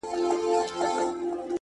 پوړني به د ټول هيواد دربار ته ور وړم’